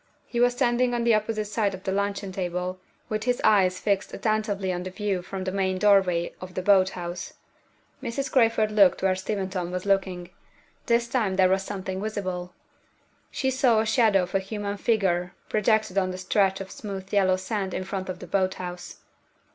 He was standing on the opposite side of the luncheon table, with his eyes fixed attentively on the view from the main doorway of the boat house. Mrs. Crayford looked where Steventon was looking. This time there was something visible. She saw the shadow of a human figure projected on the stretch of smooth yellow sand in front of the boat house.